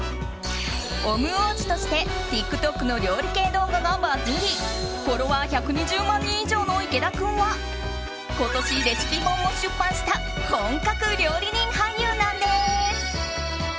オム王子として、ＴｉｋＴｏｋの料理系動画がバズりフォロワー１２０万人以上の池田君は今年レシピ本も出版した本格料理人俳優なんです。